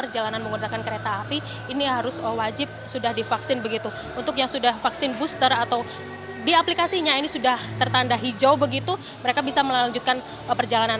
jauh begitu mereka bisa melanjutkan perjalanan